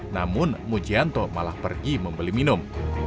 namun mujianto malah pergi membeli minum